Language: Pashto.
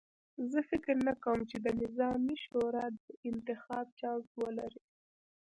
زه فکر نه کوم چې د نظار شورا دې د انتخاب چانس ولري.